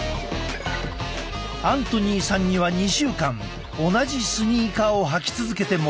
アントニーさんには２週間同じスニーカーを履き続けてもらう。